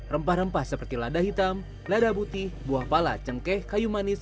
rempah rempah seperti lada hitam lada putih buah pala cengkeh kayu manis